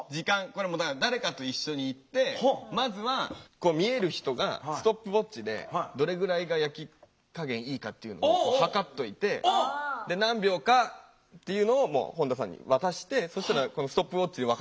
これもだから誰かと一緒に行ってまずは見える人がストップウォッチでどれぐらいが焼き加減いいかっていうのを計っといてで何秒かっていうのをもう本田さんに渡してそしたらこのストップウォッチで分かるじゃないですか。